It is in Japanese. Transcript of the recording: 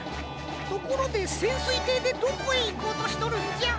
ところでせんすいていでどこへいこうとしとるんじゃ？